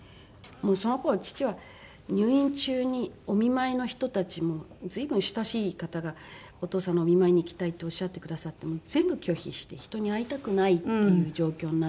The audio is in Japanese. もうその頃父は入院中にお見舞いの人たちも随分親しい方が「お父様のお見舞いに行きたい」っておっしゃってくださっても全部拒否して人に会いたくないっていう状況になってて。